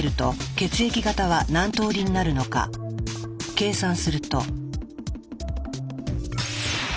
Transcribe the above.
計算すると。